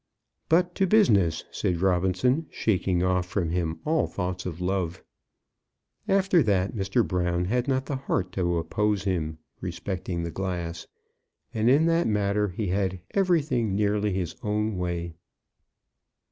"But to business!" said Robinson, shaking off from him all thoughts of love. After that Mr. Brown had not the heart to oppose him respecting the glass, and in that matter he had everything nearly his own way.